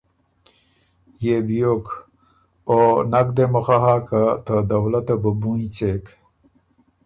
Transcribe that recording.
يې بیوک او نک دې مُخه هۀ ته دولته بُو بُونیٛڅېک،